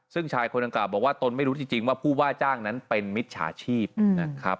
ซึ่งชายคนดังกล่าวบอกว่าตนไม่รู้จริงว่าผู้ว่าจ้างนั้นเป็นมิจฉาชีพนะครับ